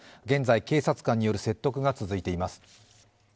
現在警察官による説得が続いています。